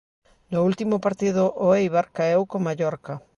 No último partido o Eibar caeu co Mallorca.